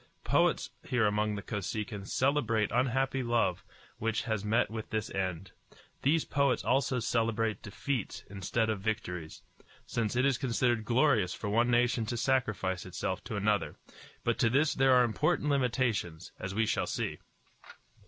Poets here among the Kosekin celebrate unhappy love which has met with this end. These poets also celebrate defeats instead of victories, since it is considered glorious for one nation to sacrifice itself to another; but to this there are important limitations, as we shall see.